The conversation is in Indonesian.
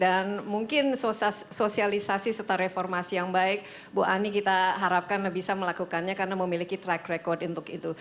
dan mungkin sosialisasi serta reformasi yang baik bu ani kita harapkan bisa melakukannya karena memiliki track record untuk itu